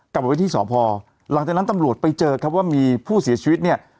กลับไปไว้ที่สพหลังจากนั้นตำรวจไปเจอครับว่ามีผู้เสียชีวิตเนี่ย